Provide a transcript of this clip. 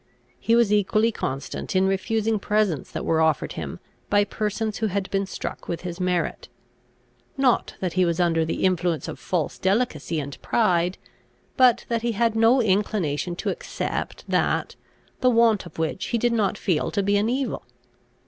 He was equally constant in refusing presents that were offered him by persons who had been struck with his merit; not that he was under the influence of false delicacy and pride, but that he had no inclination to accept that, the want of which he did not feel to be an evil.